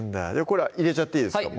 これは入れちゃっていいですか？